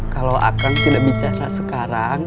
kalau akan tidak bicara sekarang